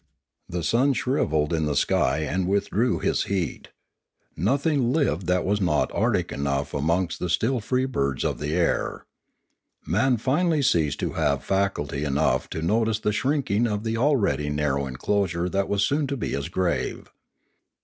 The sun shrivelled in the sky and withdrew his heat. Nothing lived that was not arctic not even amongst the still free birds of the air. Man finally ceased to have faculty enough to notice the shrinking of the already narrow enclosure that was soon to be his grave.